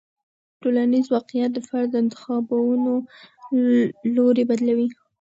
ټولنیز واقیعت د فرد د انتخابونو لوری بدلوي.